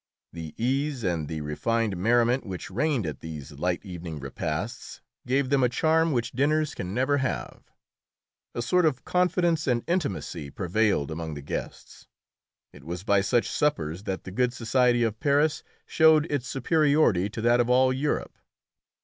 The ease and the refined merriment which reigned at these light evening repasts gave them a charm which dinners can never have. A sort of confidence and intimacy prevailed among the guests; it was by such suppers that the good society of Paris showed its superiority to that of all Europe.